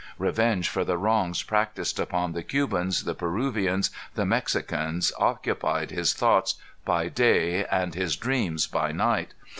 Revenge for the wrongs practised upon the Cubans, the Peruvians, the Mexicans occupied his thoughts by day and his dreams by night.